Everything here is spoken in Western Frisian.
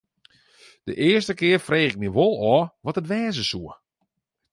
De earste kear frege ik my wol ôf wat it wêze soe.